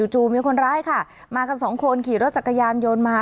จู่มีคนร้ายค่ะมากันสองคนขี่รถจักรยานยนต์มา